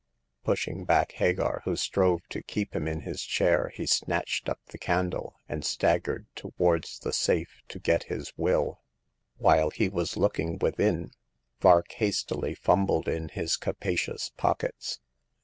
Pushing back Hagar, who strove to keep him in his chair, he snatched up the candle and staggered towards the safe to get his vj\\\* WVvSlka 32 Hagar of the Pawn Shop. he was looking within, Vark hastily fumbled in his capacious pockets.